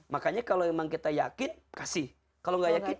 makanya kalau emang kita ngasih kebaikan itu dengan omongan kita gitu